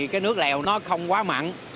cái nước lèo nó không quá mặn